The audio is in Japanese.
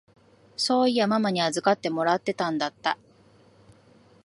そういやママに預かってもらってたんだった。